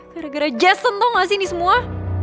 gara gara jason tau gak sih ini semua